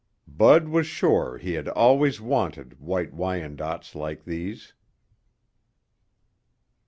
Bud was sure he had always wanted White Wyandottes like these.